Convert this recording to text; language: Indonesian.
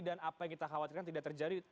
dan apa yang kita khawatirkan tidak terjadi